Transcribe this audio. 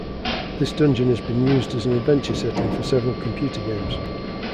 This dungeon has been used as an adventure setting for several computer games.